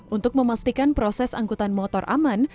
untuk memastikan proses angkutan motor aman